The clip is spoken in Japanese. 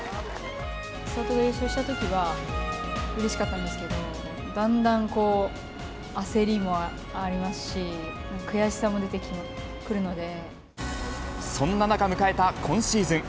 千怜が優勝したときはうれしかったんですけど、だんだん焦りもありますし、悔しさも出てくるそんな中、迎えた今シーズン。